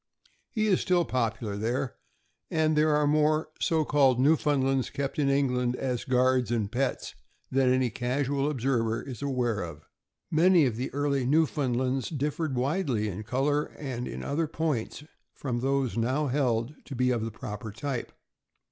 He is still popular there, and there are more so called Newfoundlands kept in England, as guards and pets, than any casual observer is aware of. Many of the early Newfoundlands differed widely, in color and in other points, from those now held to be of the proper type.